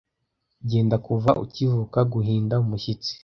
genda kuva ukivuka guhinda umushyitsi